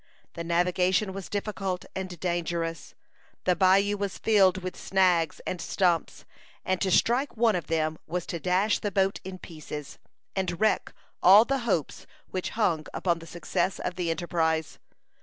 The navigation was difficult and dangerous. The bayou was filled with snags and stumps, and to strike one of them was to dash the boat in pieces, and wreck all the hopes which hung upon the success of the enterprise.